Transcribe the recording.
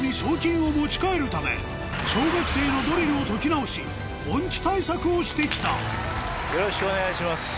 小学生のドリルを解き直し本気対策をして来たよろしくお願いします。